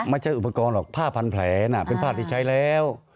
ไม่ใช่อุปกรณ์หรอกผ้าพันแผลเป็นผ้าที่ใช้แล้ว